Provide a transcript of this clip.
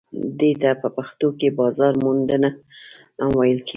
دې ته په پښتو کې بازار موندنه هم ویل کیږي.